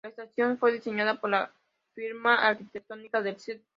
La estación fue diseñada por la firma arquitectónica de St.